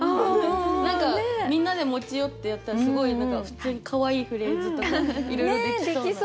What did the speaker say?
何かみんなで持ち寄ってやったらすごい普通にかわいいフレーズとかいろいろできそうな。